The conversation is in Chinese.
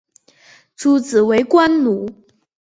诸子为官奴。